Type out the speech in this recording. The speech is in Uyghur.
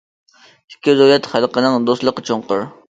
ئىككى دۆلەت خەلقىنىڭ دوستلۇقى چوڭقۇر.